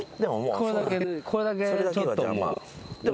これだけちょっともう。